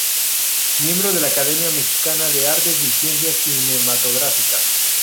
Miembro de la Academia Mexicana de Artes y Ciencias Cinematográficas.